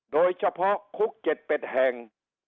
โดยเฉพาะคุก๗๘แห่ง